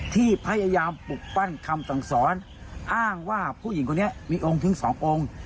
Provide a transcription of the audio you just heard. ที่พยายามปลุกปั้นคำสั่งสอนอ้างว่าผู้หญิงคนนี้มีองค์ถึงสององค์